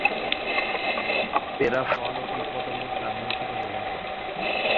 এরা ফল ও কীট-পতঙ্গ খাদ্য হিসাবে গ্রহণ করে।